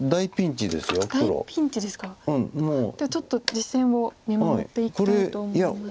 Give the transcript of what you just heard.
じゃあちょっと実戦を見守っていきたいと思います。